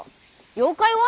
妖怪は？